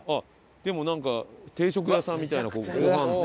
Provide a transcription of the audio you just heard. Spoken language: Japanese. でもなんか定食屋さんみたいなご飯と。